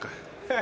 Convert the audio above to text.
え？